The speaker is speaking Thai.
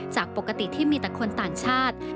จากปกติที่มีแต่คนต่างชาติ